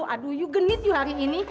aduh ibu genit ibu hari ini